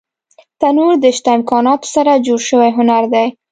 تنور د شته امکاناتو سره جوړ شوی هنر دی